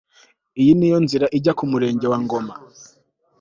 iyo niyo nzira ijya ku murenge wa ngoma